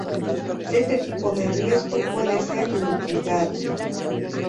Este tipo de riesgo puede ser mitigado.